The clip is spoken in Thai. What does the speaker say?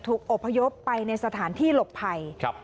อบพยพไปในสถานที่หลบภัย